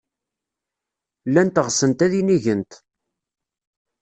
Llant ɣsent ad inigent.